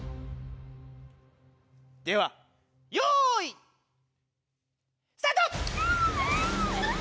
ではよい！スタート！